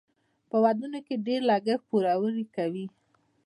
په ودونو کې ډیر لګښت پوروړي کوي.